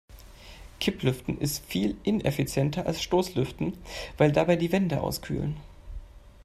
Kipplüften ist viel ineffizienter als Stoßlüften, weil dabei die Wände auskühlen.